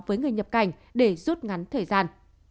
với người nhập cảnh để rút ngắn thời gian